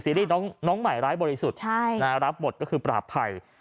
รีส์น้องใหม่ร้ายบริสุทธิ์รับบทก็คือปราบภัย